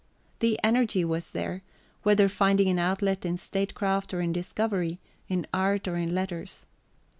The energy was there, whether finding an outlet in statecraft or in discovery, in art or in letters.